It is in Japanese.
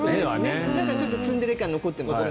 ちょっとツンデレ感が残ってますね。